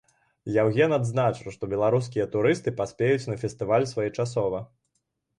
Яўген адзначыў, што беларускія турысты паспеюць на фестываль своечасова.